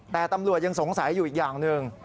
แต่ตำรวจยังสงสัยอยู่อีกอย่างหนึ่ง